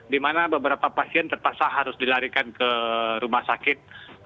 di mana beberapa pasien terpaksa harus dilarikan ke rumah sakit